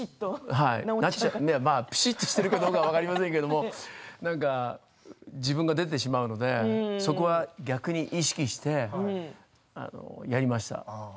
ぴしっとしているかどうかは分かりませんけど自分が出てしまうのでそこは逆に意識をしてやりました。